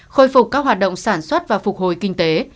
khôi phục các hoạt động sản xuất và phục hồi kinh tế